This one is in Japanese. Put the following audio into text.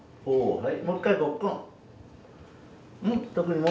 はい。